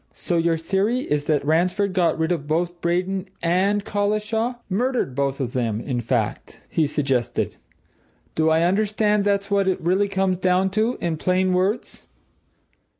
"So your theory is that Ransford got rid of both Braden and Collishaw murdered both of them, in fact?" he suggested. "Do I understand that's what it really comes to in plain words?"